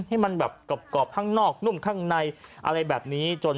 ให้มันแบบกรอบข้างนอกนุ่มข้างในอะไรแบบนี้